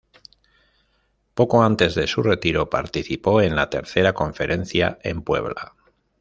Poco antes de su retiro, participó en la tercera Conferencia en Puebla.